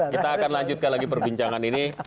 kita akan lanjutkan lagi perbincangan ini